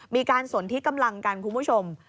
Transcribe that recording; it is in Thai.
มีการสนที่กำลังกันคุณผู้ชม